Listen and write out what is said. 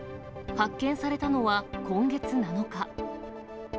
発見されたのは、今月７日。